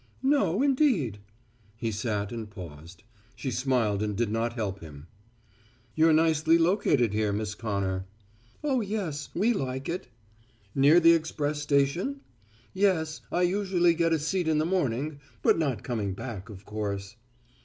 "No, indeed." He sat and paused. She smiled and did not help him. "You're nicely located here, Miss Connor." "Oh, yes, we like it." "Near the express station?" "Yes. I usually get a seat in the morning, but not coming back, of course."